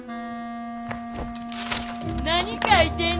何書いてんねん？